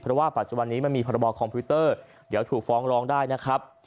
เพราะว่าปัจจุบันนี้มันมีพรบคอมพิวเตอร์เดี๋ยวถูกฟ้องร้องได้นะครับ